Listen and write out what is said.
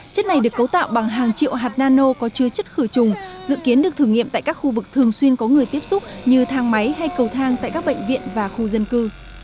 chất này được cấu tạo bằng hàng triệu hạt nano có chứa chất khử trùng dự kiến được thử nghiệm tại các khu vực thường xuyên có người tiếp xúc như thang máy hay cầu thang tại các bệnh viện và khu dân cư